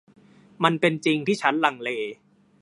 มันเป็นจริงที่ฉันลังเล